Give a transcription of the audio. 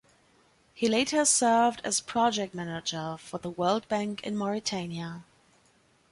He later served as project manager for the World Bank in Mauritania.